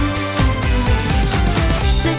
เราก็ไปที่ผ่าน